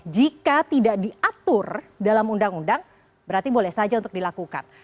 jika tidak diatur dalam undang undang berarti boleh saja untuk dilakukan